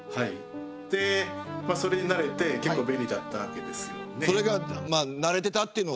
まあそれに慣れて結構便利だったわけですよね。